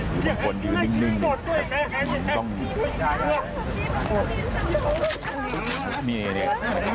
มีคนอื่นต้องหยุด